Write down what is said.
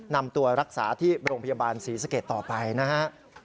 นำตัวรักษาที่โรงพยาบาลศรีสะเกดต่อไปนะครับ